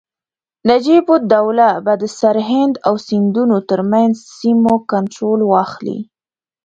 نجیب الدوله به د سرهند او سیندونو ترمنځ سیمو کنټرول واخلي.